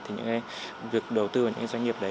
thì những cái việc đầu tư vào những cái doanh nghiệp đấy